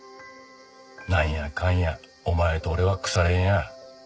なんやかんやお前と俺は腐れ縁や。